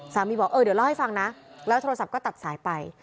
บอกเออเดี๋ยวเล่าให้ฟังนะแล้วโทรศัพท์ก็ตัดสายไป